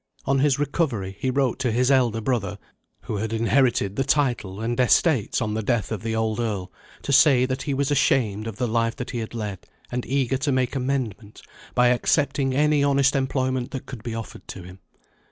On his recovery, he wrote to his elder brother (who had inherited the title and estates on the death of the old Earl) to say that he was ashamed of the life that he had led, and eager to make amendment by accepting any honest employment that could be offered to him.